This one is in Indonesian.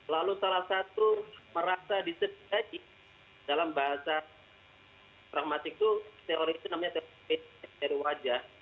lalu salah satu merasa disediakan dalam bahasa pragmatik itu teori itu namanya teori wajah